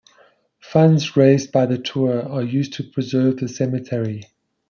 Funds raised by the tour are used to preserve the cemetery.